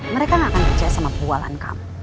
mereka gak akan percaya sama bualan kamu